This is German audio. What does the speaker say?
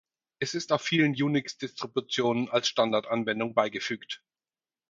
Er ist auf vielen Unix-Distributionen als Standard-Anwendung beigefügt.